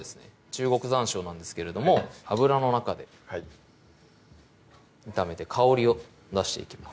中国ざんしょうなんですけれども油の中で炒めて香りを出していきます